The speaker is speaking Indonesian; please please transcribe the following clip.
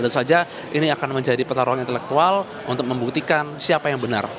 tentu saja ini akan menjadi pertaruhan intelektual untuk membuktikan siapa yang benar